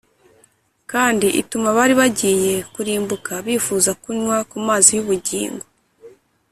kandi ituma abari bagiye kurimbuka bifuza kunywa ku mazi y’ubugingo